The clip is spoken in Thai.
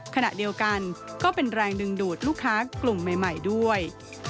ขณะเดียวกันก็เป็นแรงดึงดูดลูกค้ากลุ่มใหม่ด้วย